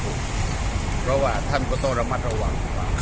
เพราะว่าท่านก็ต้องรัมทรวม